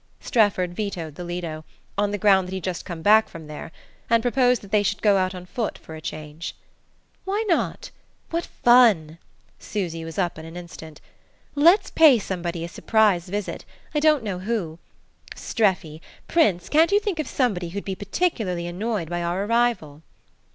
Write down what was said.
Strefford vetoed the Lido, on the ground that he'd just come back from there, and proposed that they should go out on foot for a change. "Why not? What fun!" Susy was up in an instant. "Let's pay somebody a surprise visit I don't know who! Streffy, Prince, can't you think of somebody who'd be particularly annoyed by our arrival?"